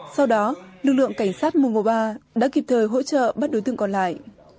sau đó lực lượng cảnh sát mùa ba đã kịp thời hỗ trợ bắt đối tượng còn lại